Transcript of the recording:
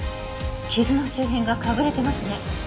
傷の周辺がかぶれてますね。